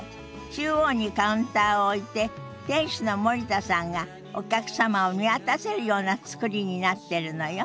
中央にカウンターを置いて店主の森田さんがお客様を見渡せるような造りになってるのよ。